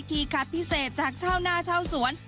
คัดพิเศษจากชาวหน้าชาวสวน